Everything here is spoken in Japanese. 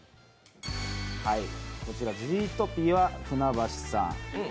こちらジートピア船橋さん。